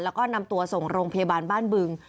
แล้วก็นำตัวส่งโรงพยาบาลบ้านบึง